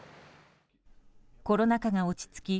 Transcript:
コロナ禍が落ち着き